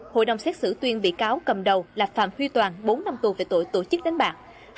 hội đồng xét xử tuyên bị cáo cầm đầu là phạm huy toàn bốn năm tù về tội tổ chức đánh bạc